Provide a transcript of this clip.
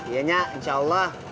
iya nyak insya allah